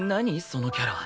そのキャラ。